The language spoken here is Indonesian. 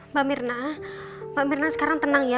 mbak mirna pak mirna sekarang tenang ya